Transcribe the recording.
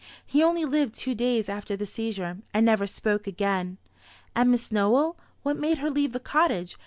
He only lived two days after the seizure; and never spoke again." "And Miss Nowell what made her leave the cottage?